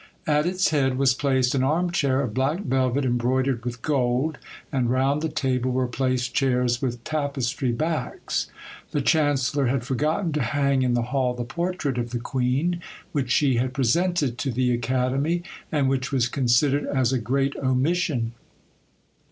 At its head was placed an armchair of black velvet embroidered with gold, and round the table were placed chairs with tapestry backs. The chancellor had forgotten to hang in the hall the portrait of the queen, which she had presented to the Academy, and which was considered as a great omission.